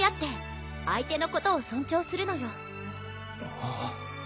ああ。